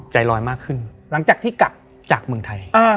ใจลอยมากขึ้นหลังจากที่กลับจากเมืองไทย